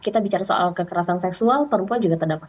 kita bicara soal kekerasan seksual perempuan juga terdapat